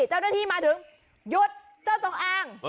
เจ้าหน้าที่มาถึงหยุดเจ้าจงอ้าง